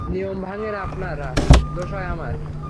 নিয়ম ভাঙ্গেন আপনারা, দোষ হয় আমার।